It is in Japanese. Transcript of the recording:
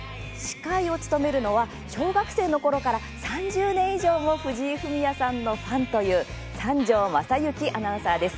司会は、小学生のころから３０年以上も藤井フミヤさんのファンという三條雅幸アナウンサーです。